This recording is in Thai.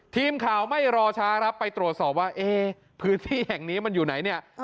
ทีมข่าวไม่รอช้าครับไปตรวจสอบว่าเอ๊พื้นที่แห่งนี้มันอยู่ไหนเนี่ย